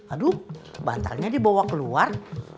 aduh bantalnya dibawa keluar